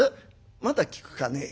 「まだ聞くかね。